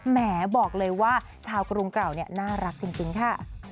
แหมบอกเลยว่าชาวกรุงเก่าน่ารักจริงค่ะ